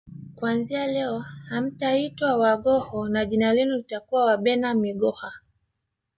Kuanzia leo hamtaitwa Wanghoo na jina lenu litakuwa Wabena migoha